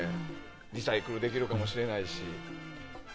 リサイクルできるかもしれないし。